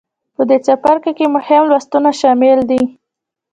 په دې څپرکې کې مهم لوستونه شامل دي.